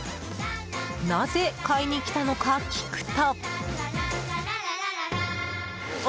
なぜ買いに来たのか聞くと。